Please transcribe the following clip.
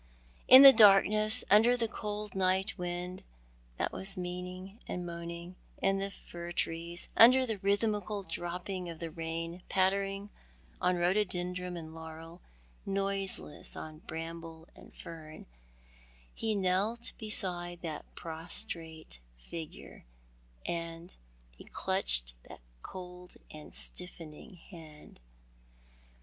In the darkness, under the cold night wind that was moaniug in the fir trees, under the rhythmical dropping of the rain, pattering on rhododendron and laurel, noiseless on bramble and fern, he knelt beside that prostrate figure; he clutched that cold and stiffening hand.